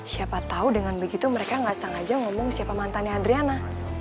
siapa tahu dengan begitu mereka gak sengaja ngomong siapa mantannya adriana